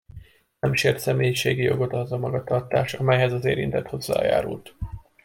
Nem sért személyiségi jogot az a magatartás, amelyhez az érintett hozzájárult.